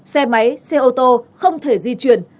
xe máy xe ô tô không thể di chuyển